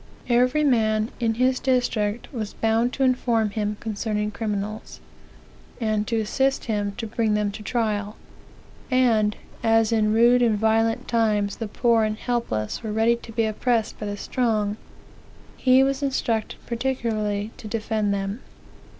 Every man, in his district, was bound to inform him concerning criminals, and to assist him to bring them to trial; and, as in rude and violent times the poor and helpless were ready to be oppressed by the strong, he was instructed particularly to defend them.